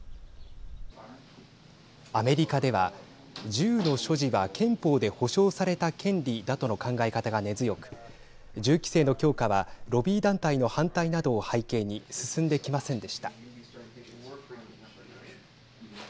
アメリカでは、銃の所持は憲法で保障された権利だとの考え方が根強く銃規制の強化はロビー団体の反対などを背景に進んできませんでした。